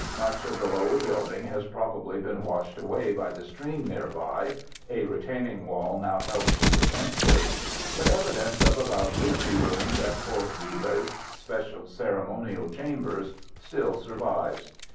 Much of the lower building has probably been washed away by the stream nearby (a retaining wall now helps to prevent this), but evidence of about 60 rooms and 4 kivas (special ceremonial chambers) still survives.